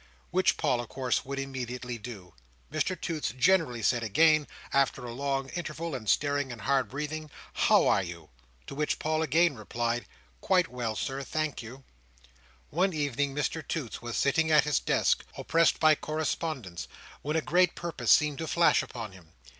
Which Paul, of course, would immediately do. Mr Toots generally said again, after a long interval of staring and hard breathing, "How are you?" To which Paul again replied, "Quite well, Sir, thank you." One evening Mr Toots was sitting at his desk, oppressed by correspondence, when a great purpose seemed to flash upon him.